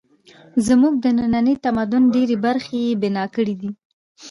زموږ د ننني تمدن ډېرې برخې یې بنا کړې دي